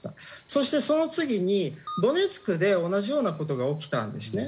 そしてその次にドネツクで同じような事が起きたんですね。